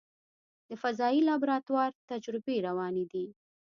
د فضایي لابراتوار تجربې روانې دي.